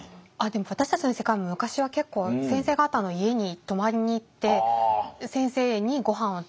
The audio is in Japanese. でも私たちの世界も昔は結構先生方の家に泊まりに行って先生にごはんを。